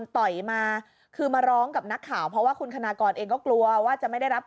ตอนต่อไป